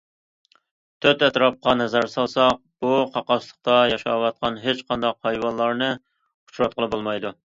تۆت ئەتراپقا نەزەر سالساق، بۇ قاقاسلىقتا ياشاۋاتقان ھېچقانداق ھايۋانلارنى ئۇچراتقىلى بولمايدۇ.